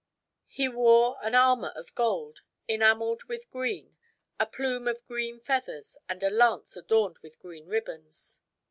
He wore an armor of gold enameled with green, a plume of green feathers, and a lance adorned with green ribbons.